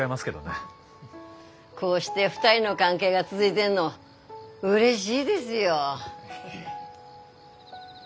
こうして２人の関係が続いでんのうれしいですよ。